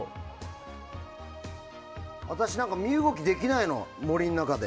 私、身動きできないの森の中で。